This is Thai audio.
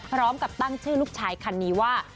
พร้อมกับตั้งชื่อลูกชายคันนี้ว่า